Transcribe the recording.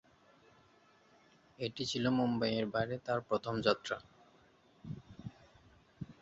এটি ছিল মুম্বাই এর বাইরে তার প্রথম যাত্রা।